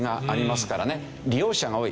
利用者が多い。